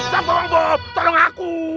bapak bapak bapak tolong aku